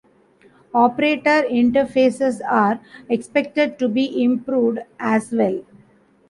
Operator interfaces are expected to be improved as well.